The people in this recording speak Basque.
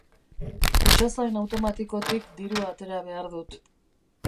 Kutxazain automatikotik dirua atera behar dut.